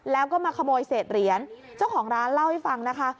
แล้วก็มาขโมยเศษเหรียญเจ้าของร้านเล่าให้ฟังนะคะ